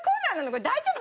これ大丈夫？